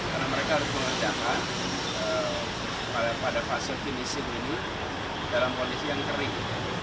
karena mereka harus mengerjakan pada fasil kondisi ini dalam kondisi yang kering